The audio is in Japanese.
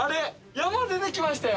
山出てきましたよ！